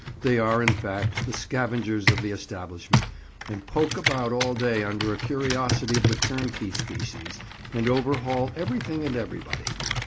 They are, in fact, the scavengers of the establishment, and poke about all day under a curiosity of the turnkey species, and overhaul everything and everybody.